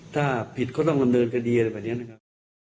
ถ้าผิดก็ต้องดำเนินคดีอะไรแบบนี้นะครับ